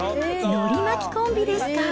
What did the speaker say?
のりまきコンビですか。